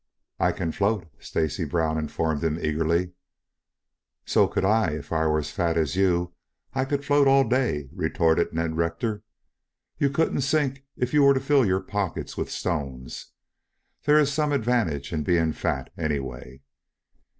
"I can float," Stacy Brown informed him eagerly. "So could I if I were as fat as you. I could float all day," retorted Ned Rector. "You couldn't sink if you were to fill your pockets with stones. There is some advantage in being fat, anyway."